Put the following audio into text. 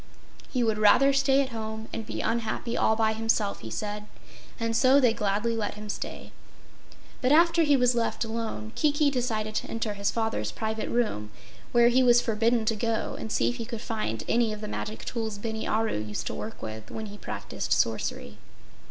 He would rather stay at home and be unhappy all by himself, he said, and so they gladly let him stay. But after he was left alone Kiki decided to enter his father's private room, where he was forbidden to go, and see if he could find any of the magic tools Bini Aru used to work with when he practiced sorcery.